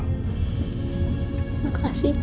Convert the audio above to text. terima kasih pak